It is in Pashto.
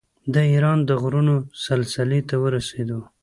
د ایران د غرونو سلسلې ته ورسېدو.